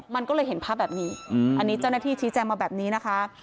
มันก็เลยเห็นภาพแบบนี้อันนี้เจ้าหน้าที่ชี้แจงมาแบบนี้นะคะ